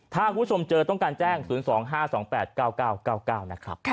ถ้าคุณผู้ชมเจอต้องการแจ้ง๐๒๕๒๘๙๙๙๙๙นะครับ